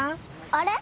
あれ？